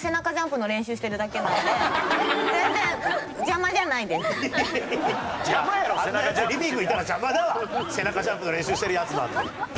背中ジャンプの練習してるヤツなんて。